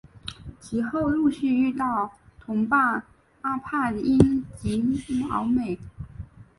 其后陆续遇到同伴阿帕因及毛美。